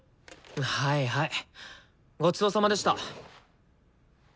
はいはいごちそうさまでした。